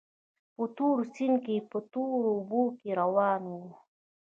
په تور سیند کې په تورو اوبو کې روان وو.